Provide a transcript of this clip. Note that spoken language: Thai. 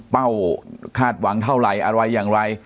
คาดหวังเท่าไหร่อะไรอย่างไร